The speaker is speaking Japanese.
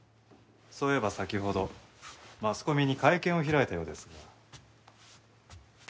そういえば先ほどマスコミに会見を開いたようですが。